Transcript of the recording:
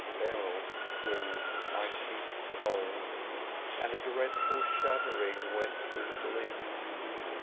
Berel grew icy cold, and a dreadful shuddering went through his limbs.